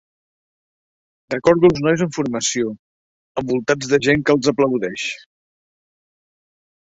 Recordo els nois en formació, envoltats de gent que els aplaudeix.